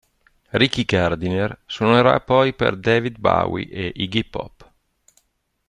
Ricky Gardiner suonerà poi per David Bowie ed Iggy Pop.